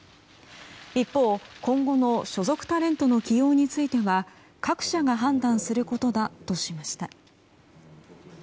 一方、今後の所属タレントの起用については各社が判断することだとしました。